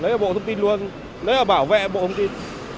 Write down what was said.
lấy ở bộ thông tin luôn lấy ở bảo vệ bộ thông tin